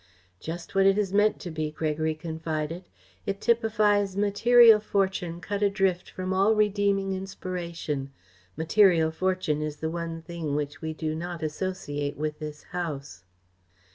"Just what it is meant to be," Gregory confided. "It typifies material fortune cut adrift from all redeeming inspiration. Material fortune is the one thing which we do not associate with this house."